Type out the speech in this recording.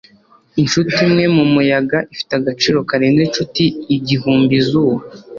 inshuti imwe mumuyaga ifite agaciro karenze inshuti igihumbi izuba